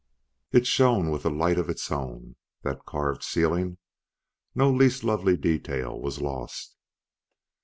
It shone with a light of its own, that carved ceiling; no least lovely detail was lost.